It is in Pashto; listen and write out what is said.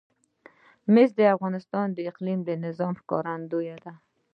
مس د افغانستان د اقلیمي نظام ښکارندوی ده.